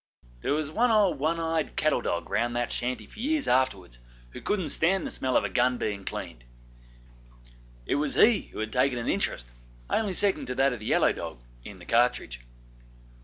There was one old one eyed cattle dog round that shanty for years afterwards, who couldn't stand the smell of a gun being cleaned. He it was who had taken an interest, only second to that of the yellow dog, in the cartridge.